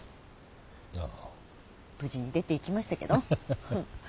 無事に出ていきましたけど。